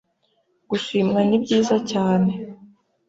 Gushimwa ni byiza cyane